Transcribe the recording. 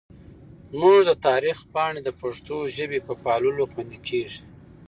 زموږ د تاریخ پاڼې د پښتو ژبې په پاللو خوندي کېږي.